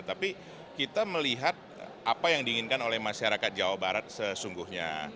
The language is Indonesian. tapi kita melihat apa yang diinginkan oleh masyarakat jawa barat sesungguhnya